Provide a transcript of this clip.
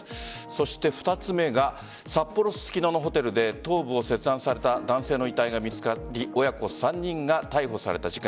そして２つ目が札幌・ススキノのホテルで頭部を切断された男性の遺体が見つかり親子３人が逮捕された事件。